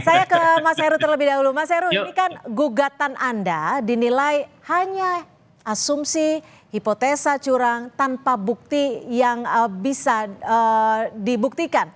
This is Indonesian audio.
saya ke mas heru terlebih dahulu mas heru ini kan gugatan anda dinilai hanya asumsi hipotesa curang tanpa bukti yang bisa dibuktikan